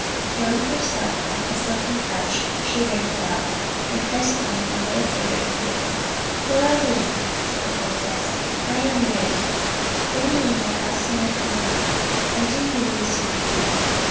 Throwing herself down on a silken couch, she rang a bell, and presently a pretty little fairy appeared. "Lorelei," said the princess, "I am weary; bring me my gossamer kimono, and do you loosen my hair.